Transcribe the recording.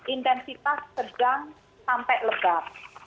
intensitas sedang sampai lebar